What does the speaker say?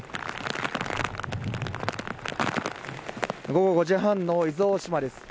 午後５時半の伊豆大島です。